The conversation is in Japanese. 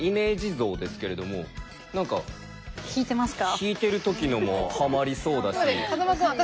引いてる時のもハマりそうだし。